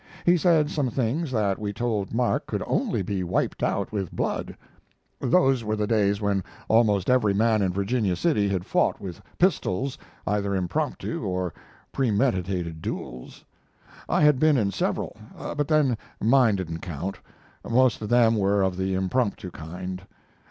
He said some things that we told Mark could only be wiped out with blood. Those were the days when almost every man in Virginia City had fought with pistols either impromptu or premeditated duels. I had been in several, but then mine didn't count. Most of them were of the impromptu kind.